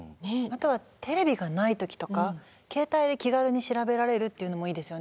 あとはテレビがない時とか携帯で気軽に調べられるっていうのもいいですよね。